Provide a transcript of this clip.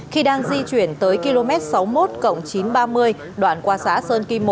khi đang di chuyển tới km sáu mươi một chín trăm ba mươi đoạn qua xá sơn kỳ một